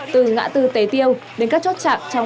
từ ngã tư tế tiêu đến các chốt chạm